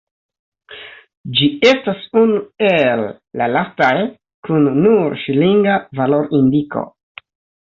Ĝi estas unu el la lastaj kun nur ŝilinga valorindiko.